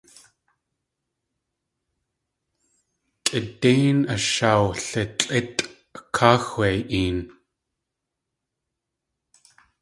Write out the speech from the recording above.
Kʼidéin ashwlitlʼítʼ káaxwei een.